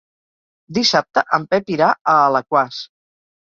Dissabte en Pep irà a Alaquàs.